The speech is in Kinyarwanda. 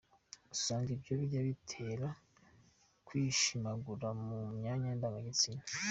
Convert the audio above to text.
Usanga ibyo bijya bitera kwishimagura mu myanya ndangagitsina.